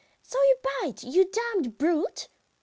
"So you bite, you damned brute?"